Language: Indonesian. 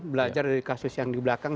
belajar dari kasus yang di belakang